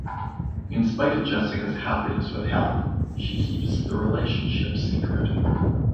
In spite of Jessica's happiness with Helen, she keeps the relationship secret.